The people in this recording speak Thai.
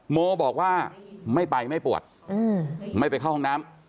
โมบอกว่าไม่ไปไม่ปวดไม่ไปเข้าห้องน้ำ